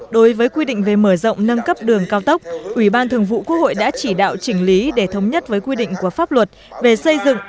đối với quy định về mở rộng nâng cấp đường cao tốc ủy ban thường vụ quốc hội đã chỉ đạo chỉnh lý để thống nhất với quy định của pháp luật về xây dựng